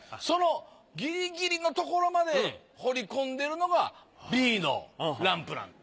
そのギリギリのところまで彫りこんでるのがＢのランプ。